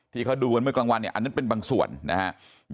ทีเขาดูเมื่อกลางวันอันนั้นเป็นบางส่วนนะครับ